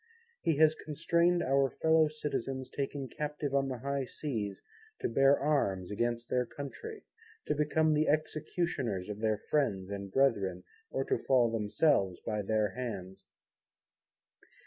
He has constrained our fellow Citizens taken Captive on the high Seas to bear Arms against their Country, to become the executioners of their friends and Brethren, or to fall themselves by their Hands.